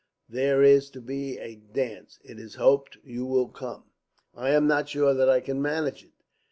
There is to be a dance. It is hoped you will come." "I am not sure that I can manage it.